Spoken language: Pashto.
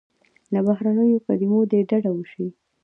له بهرنیو کلیمو دې ډډه وسي.